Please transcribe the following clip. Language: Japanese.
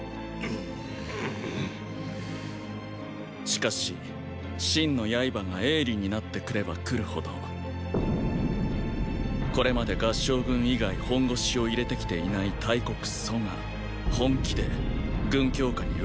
しかし秦の刃が鋭利になってくればくるほどこれまで合従軍以外本腰を入れてきていない大国「楚」が本気で軍強化に動きだします。